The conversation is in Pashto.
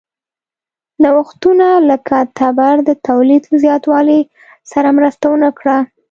نوښتونه لکه تبر د تولید له زیاتوالي سره مرسته ونه کړه.